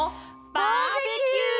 バーベキュー！